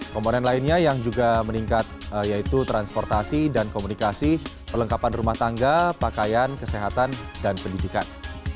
komponen lainnya yang juga meningkat yaitu transportasi dan komunikasi perlengkapan rumah tangga pakaian kesehatan dan pendidikan